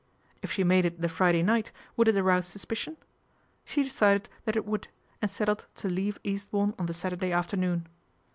If she made it the Friday night, would it arouse sus picion ? She decided that it would, and settled to leave Eastbourne on the Saturday afternoon.